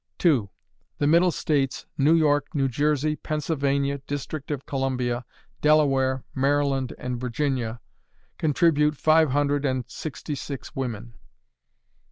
2. The Middle States, New York, New Jersey, Pennsylvania, District of Columbia, Delaware, Maryland, and Virginia, contribute five hundred and sixty six women.